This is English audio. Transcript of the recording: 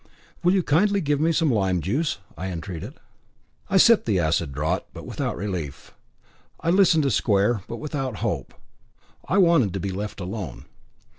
"Will you kindly give me some lime juice?" I entreated. I sipped the acid draught, but without relief. I listened to Square, but without hope. I wanted to be left alone.